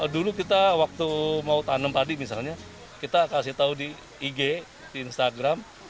dulu kita waktu mau tanam padi misalnya kita kasih tahu di ig di instagram